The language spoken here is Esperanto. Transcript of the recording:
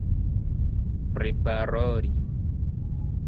priparoli